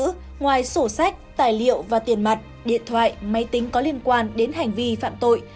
tàng vật thu giữ ngoài sổ sách tài liệu và tiền mặt điện thoại máy tính có liên quan đến hành vi phạm tội